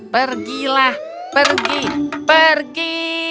pergilah pergi pergi